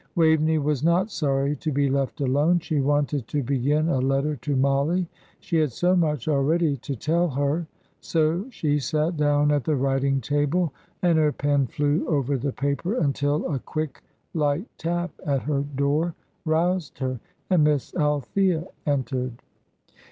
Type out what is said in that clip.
Waveney was not sorry to be left alone; she wanted to begin a letter to Mollie. She had so much already to tell her. So she sat down at the writing table, and her pen flew over the paper, until a quick, light tap at her door roused her, and Miss Althea entered.